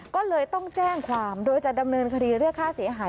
ก็เลยต้องแจ้งความโดยจะดำเนินคดีเรียกค่าเสียหาย